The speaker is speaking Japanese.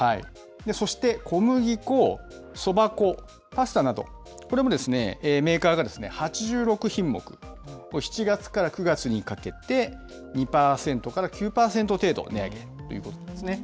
そして小麦粉、そば粉、パスタなど、これもメーカーが８６品目、７月から９月にかけて、２％から９％程度値上げということですね。